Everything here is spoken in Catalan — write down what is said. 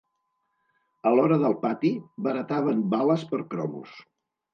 A l'hora del pati, barataven bales per cromos.